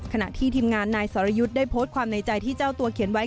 ขณะที่ทีมงานนายสรยุทธ์ได้โพสต์ความในใจที่เจ้าตัวเขียนไว้